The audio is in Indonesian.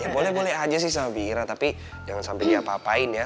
ya boleh boleh aja sih sama bi ira tapi jangan sampai dia apa apain ya